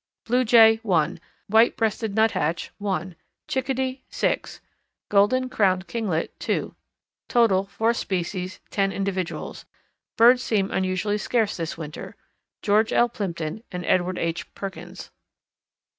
Blue Jay, 1; White breasted Nuthatch, 1; Chickadee, 6; Golden crowned Kinglet, 2. Total, 4 species, 10 individuals. Birds seem unusually scarce this winter. GEORGE L. PLIMPTON and EDWARD H. PERKINS.